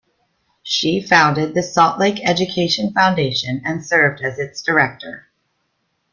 She founded the Salt Lake Education Foundation and served as its director.